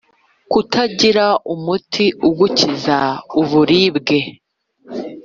kutagira umuti ugukiza uburibwe